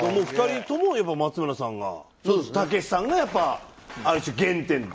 ２人ともやっぱり松村さんがたけしさんがやっぱりある種原点。